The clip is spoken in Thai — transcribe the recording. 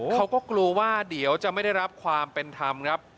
เขาก็กลัวว่าเดี๋ยวจะไม่ได้รับความเป็นธรรมครับ